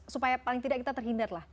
supaya paling tidak kita terhindar lah